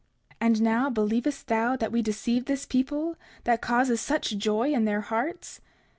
And now, believest thou that we deceive this people, that causes such joy in their hearts?